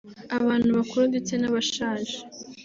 abantu bakuru ndetse n’Abashaje